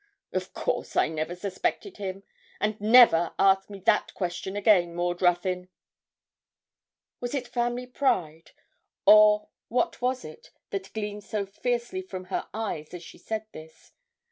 'Of course I never suspected him; and never ask me that question again, Maud Ruthyn.' Was it family pride, or what was it, that gleamed so fiercely from her eyes as she said this?